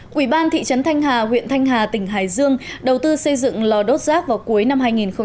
quỹ ban thị trấn thanh hà huyện thanh hà tỉnh hải dương đầu tư xây dựng lò đốt rác vào cuối năm hai nghìn hai mươi